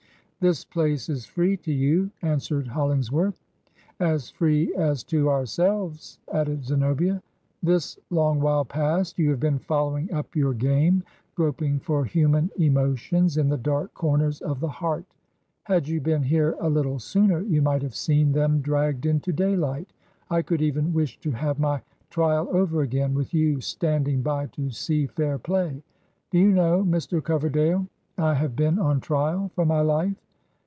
'This place is free to you,' answered HoUings worth. ' As free as to ourselves,' added Zenobia, ' This long while past, you have been following up your game, groping for himian emotions in the dark comers of the heart. Had you been here a httle sooner, you might have seen them dragged into daylight. I could even wish to have my trial over again, with you standing by to see fair play I Do you know, Mr. Coverdale, I have been on trial for my Ufe?'